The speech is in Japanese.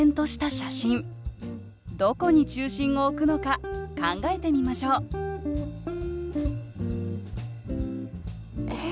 どこに中心を置くのか考えてみましょうええ